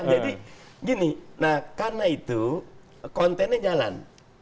jadi gini karena itu kontennya jalan